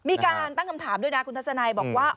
มีการตั้งคำถามด้วยนะคุณทัศนัยบอกว่า